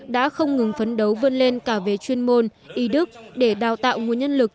đã không ngừng phấn đấu vươn lên cả về chuyên môn y đức để đào tạo nguồn nhân lực